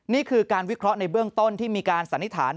นี่คือการวิเคราะห์ในเบื้องต้นที่มีการสันนิษฐาน